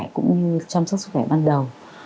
cũng như chăm sóc sức khỏe ban đầu